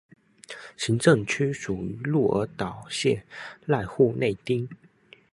行政区属于鹿儿岛县濑户内町。